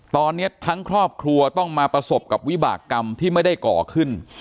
ตอนนี้ทั้งครอบครัวต้องมาประสบกับวิบากรรมที่ไม่ได้ก่อขึ้น